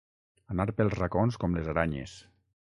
Anar pels racons com les aranyes.